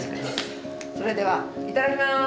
それではいただきます！